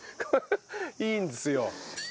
いいんですよ。